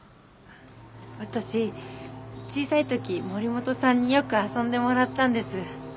私小さい時森本さんによく遊んでもらったんです。